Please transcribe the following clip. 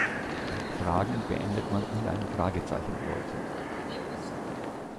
Fragen beendet man mit einem Fragezeichen, Leute!